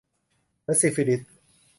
และซิฟิลิส